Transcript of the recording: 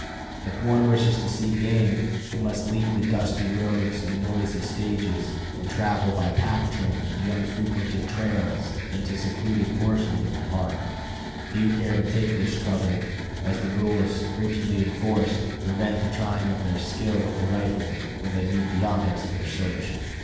If one wishes to see game he must leave the dusty roads and noisy stages, and travel by pack train the unfrequented trails into the secluded portions of the Park. Few care to take this trouble, as the rules, rigidly enforced, prevent the trying of their skill with the rifle, when they meet the objects of their search.